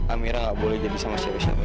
amira gak boleh jadi sama siapa siapa